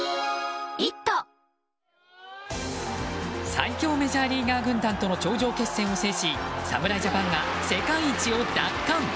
最強メジャーリーガー軍団との頂上決戦を制し侍ジャパンが世界一を奪還。